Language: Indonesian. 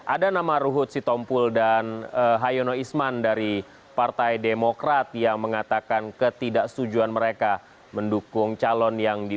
ada nama ruhud sutompol dan hayono isman dari partai demokrat yang mengatakan ketidak setujuan mereka mendukung calon dki jakarta